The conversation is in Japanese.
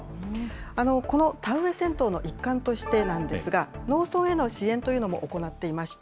この田植え戦闘の一環としてなんですが、農村への支援というのも行っていまして、